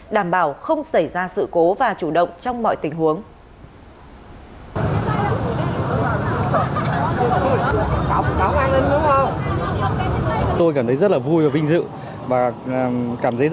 đảm bảo không xảy ra sự cố và chủ động trong mọi tình huống